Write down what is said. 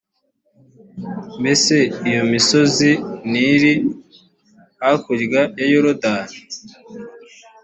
mbese iyo misozi ntiri hakurya ya yorodani ‽